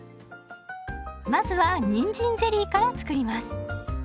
まずはにんじんゼリーから作ります。